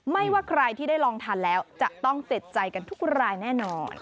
ว่าใครที่ได้ลองทานแล้วจะต้องเจ็บใจกันทุกรายแน่นอน